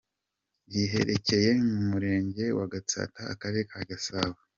Riherereye mu murenge wa Gatsata akarere ka Gasabo.